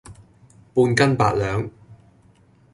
半斤八兩